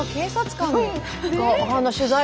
取材。